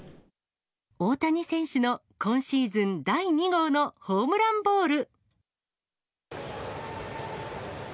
大谷選手の今シーズン第２号のホームランボール。